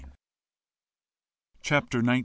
CHAPTER XIX.